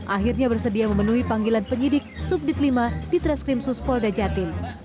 akhirnya bersedia memenuhi panggilan penyidik subdit lima di transkrim suspol dajatim